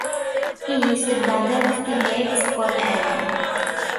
He is the brother of the late Scott Irwin.